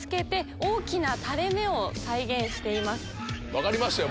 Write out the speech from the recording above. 分かりましたよ